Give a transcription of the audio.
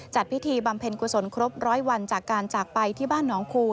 พิธีบำเพ็ญกุศลครบร้อยวันจากการจากไปที่บ้านหนองคู